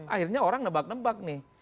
akhirnya orang nebak nebak nih